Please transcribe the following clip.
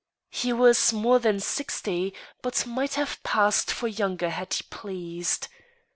He was more than sixty, but might have passed for younger had he pleased.